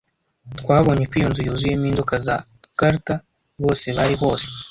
Twabonye ko iyo nzu yuzuyemo inzoka za garter. Bose bari hose!